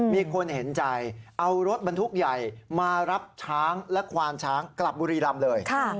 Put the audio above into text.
มีคนเห็นใจเอารถบรรทุกใหญ่มารับช้างและควานช้างกลับบุรีรำเลย